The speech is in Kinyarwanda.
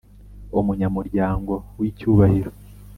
Umunyamuryango w icyubahiro